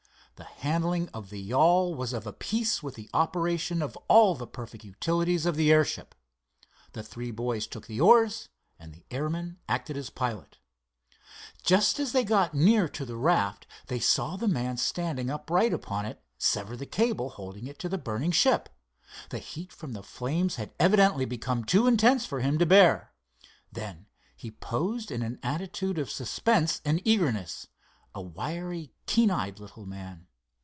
The handling of the yawl was of a piece with the operation of all the perfect utilities of the airship. The three boys took the oars and the airman acted as pilot. Just as they got near to the raft they saw the man standing upright upon it, sever the cable holding it to the burning ship. The heat from the flames had evidently become too intense for him to bear. Then he posed in an attitude of suspense and eagerness, a wiry, keen eyed little man.